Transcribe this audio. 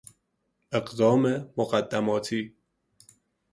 اقدام مقدماتی